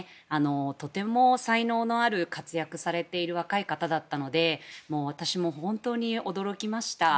とても才能のある活躍されている若い方だったので私も本当に驚きました。